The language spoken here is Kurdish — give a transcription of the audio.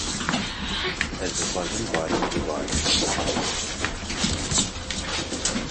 Ez dixwazim, baran bibare